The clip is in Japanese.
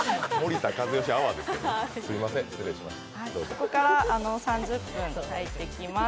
ここから３０分炊いていきます。